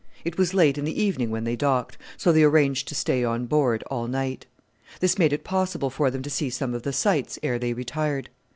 It was late in the evening when they docked, so they arranged to stay on board all night. This made it possible for them to see some of the sights ere they retired.